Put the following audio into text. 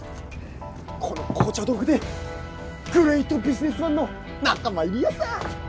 この紅茶豆腐でグレイトビジネスマンの仲間入りヤサ！